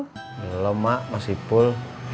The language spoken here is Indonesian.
belum mak masih pul